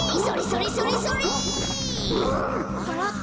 それそれそれそれ！